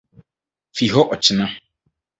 Fi hɔ ɔkyena.